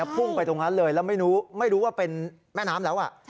พุ่งไปตรงนั้นเลยแล้วไม่รู้ว่าเป็นแม่น้ำแล้ว